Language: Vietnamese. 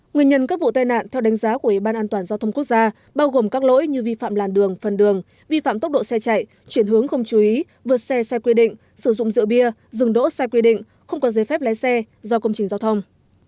nguyên nhân các vụ tai nạn theo đánh giá của ủy ban an toàn giao thông quốc gia bao gồm các lỗi như vi phạm làn đường phần đường vi phạm tốc độ xe chạy chuyển hướng không chú ý vượt xe xe quy định sử dụng rượu bia dừng đỗ sai quy định không có giấy phép lái xe do công trình giao thông